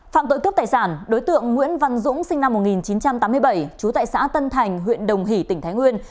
phạm tội cướp tài sản đối tượng nguyễn văn dũng sinh năm một nghìn chín trăm tám mươi bảy trú tại xã tân thành huyện đồng hỷ tỉnh thái nguyên